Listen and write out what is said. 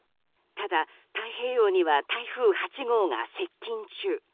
ただ、太平洋には台風８号が接近中。